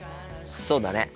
そうだね。